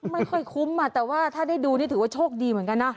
ไม่ค่อยคุ้มแต่ว่าถ้าได้ดูนี่ถือว่าโชคดีเหมือนกันนะ